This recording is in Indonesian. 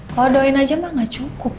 kalo doain aja mah gak cukup